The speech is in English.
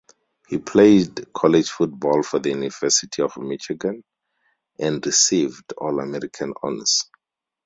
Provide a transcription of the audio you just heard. He played college football for the University of Michigan, and received All-American honors.